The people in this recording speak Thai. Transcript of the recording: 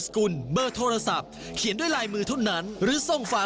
กุลเบอร์โทรศัพท์เขียนด้วยลายมือเท่านั้นหรือส่งฝา